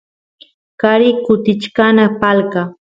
qari kutichkan palqa